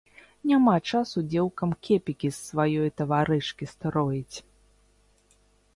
Няма часу дзеўкам кепікі з сваёй таварышкі строіць.